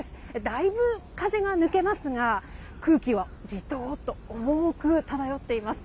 だいぶ風が抜けますが空気はジトッと重く漂っています。